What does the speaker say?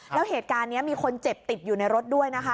แล้วเหตุการณ์นี้มีคนเจ็บติดอยู่ในรถด้วยนะคะ